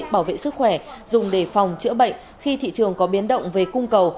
bảo vệ sức khỏe dùng để phòng chữa bệnh khi thị trường có biến động về cung cầu